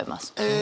え！